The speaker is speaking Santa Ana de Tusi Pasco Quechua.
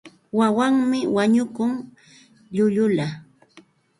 Wawanmi wañukun llullulla.